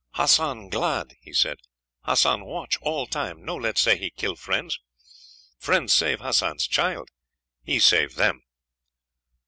"Hassan glad," he said. "Hassan watch all time; no let Sehi kill friends. Friends save Hassan's child; he save them."